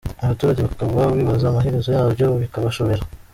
Abaturage bakaba bibaza amaherezo yabyo bikabashobobera.